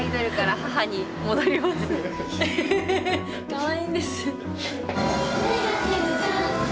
かわいいんです。